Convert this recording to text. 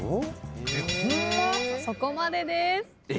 そこまでです。